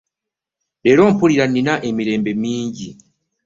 Leero mpulira nina emirembe mingi.